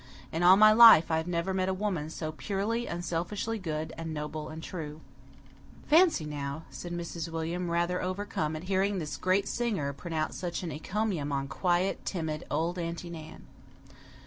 In all my life I have never met a woman so purely, unselfishly good and noble and true." "Fancy now," said Mrs. William, rather overcome at hearing this great singer pronounce such an encomium on quiet, timid old Aunty Nan.